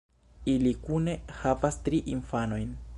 Ili kune havas tri infanojn.